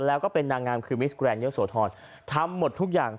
แล้วก็เป็นนางงามคือมิสแกรนดเยอะโสธรทำหมดทุกอย่าง